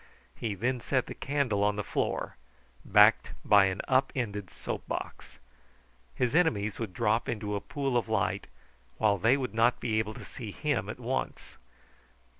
He then set the candle on the floor, backed by an up ended soapbox. His enemies would drop into a pool of light, while they would not be able to see him at once.